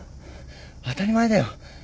当たり前だよ。